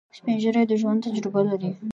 سپین ږیری د ژوند تجربه لري